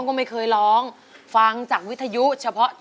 เปรียบความรักที่เหมือนมน